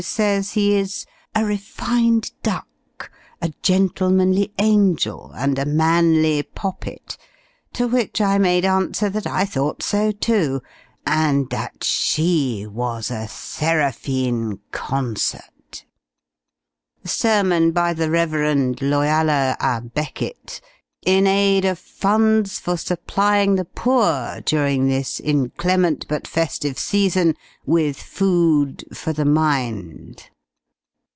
says he is a 'refined duck,' a 'gentlemanly angel,' and a 'manly poppet:' to which I made answer, that I thought so too; and that she was a 'seraphine concert.' Sermon, by the Rev. Loyalla à Becket, 'in aid of funds for supplying the poor, during this inclement but festive season, with food for the mind.'